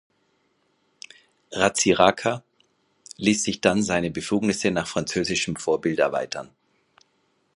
Ratsiraka ließ sich dann seine Befugnisse nach französischem Vorbild erweitern.